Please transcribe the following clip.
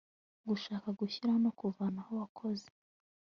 gushaka gushyiraho no kuvanaho abakozi